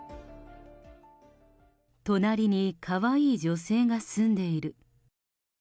隣にかわいい女性が住んでいる。